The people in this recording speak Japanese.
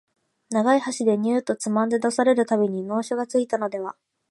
長い箸でニューッとつまんで出される度に能書がついたのでは、